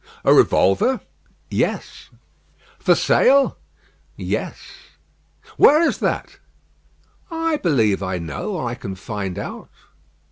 "A revolver?" "Yes." "For sale?" "Yes." "Where is that?" "I believe I know; or I can find out."